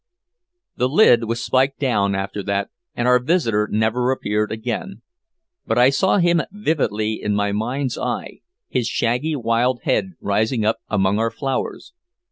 The lid was spiked down after that, and our visitor never appeared again. But I saw him vividly in my mind's eye his shaggy wild head rising up among our flowers.